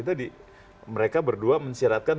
tadi mereka berdua mensyaratkan